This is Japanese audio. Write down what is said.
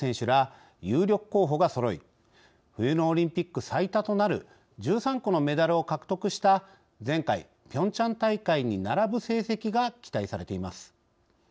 ら有力候補がそろい冬のオリンピック最多となる１３個のメダルを獲得した前回ピョンチャン大会に並ぶ成績が期待されています。